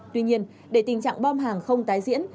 tuy nhiên để tình trạng bom hàng không tái diễn